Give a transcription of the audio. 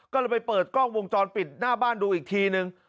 ก็เลยไปเปิดกล้องวงจรปิดหน้าบ้านดูอีกทีนึง